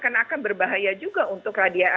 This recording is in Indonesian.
karena akan berbahaya juga untuk